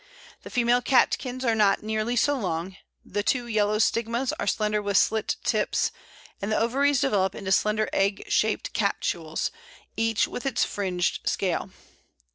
The female catkins are not nearly so long, the two yellow stigmas are slender with slit tips, and the ovaries develop into slender egg shaped capsules, each with its fringed scale.